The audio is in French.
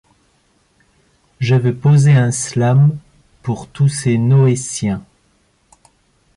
Je veux poser un slam, pour tous ces Noétiens.